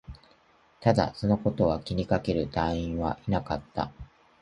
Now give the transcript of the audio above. ただ、そのことを気にかける隊員はいなかった